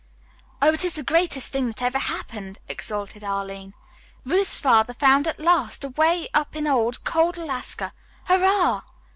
"Oh, it is the greatest thing that ever happened," exulted Arline. "Ruth's father found at last, away up in old, cold Alaska. Hurrah!"